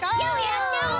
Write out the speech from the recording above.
やっちゃおう！